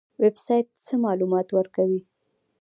ویب سایټ څه معلومات ورکوي؟